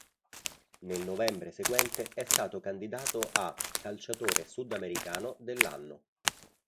Nel novembre seguente è stato candidato a "calciatore sudamericano dell'anno".